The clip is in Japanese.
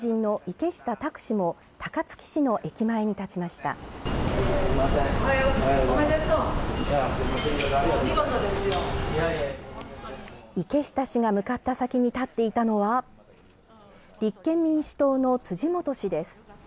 池下氏が向かった先に立っていたのは立憲民主党の辻元氏です。